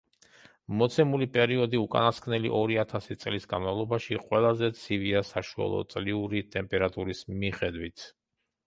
მოცემული პერიოდი უკანასკნელი ორი ათასი წლის განმავლობაში ყველაზე ცივია საშუალოწლიური ტემპერატურის მიხედვით.